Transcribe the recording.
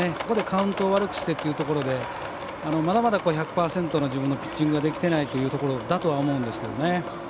ここでカウントを悪くしてというところでまだまだ１００％の自分のピッチングができていないというところだと思うんですけどね。